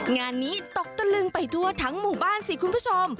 งานนี้ตกตะลึงไปทั่วทั้งหมู่บ้านสิคุณผู้ชม